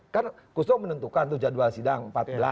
kan kustu menentukan tuh jadwal sidang empat belas